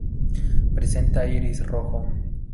Presenta iris rojo.